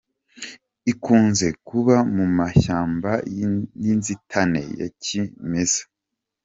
Ikunze kuba mu mashyamba y’inzitane ya kimeza.